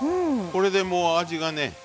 これでもう味がね